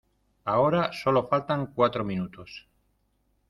ahora solo faltan cuatro minutos.